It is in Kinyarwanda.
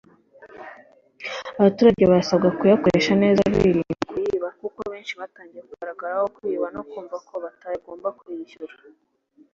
Abaturage barasabwa kuyakoresha neza birinda kuyiba kuko benshi batangiye kugaragaraho kuyiba no kumva ko batagomba kuyishyura